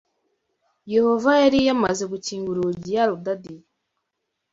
Yehova yari yamaze gukinga urugi yarudadiye